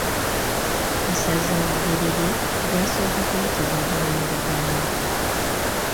Essaza Bugerere lyasooka kuyitibwa Bulondoganyi.